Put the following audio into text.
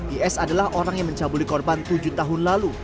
is adalah orang yang mencabuli korban tujuh tahun lalu